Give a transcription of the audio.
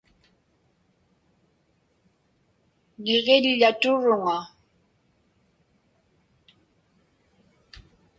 Niġiḷḷaturuŋa.